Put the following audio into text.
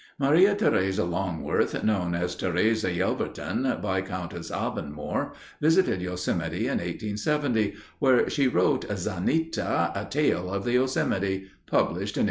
Maria Teresa Longworth, known as Therese Yelverton, Viscountess Avonmore, visited Yosemite in 1870, where she wrote Zanita: A Tale of the Yosemite, published in 1872.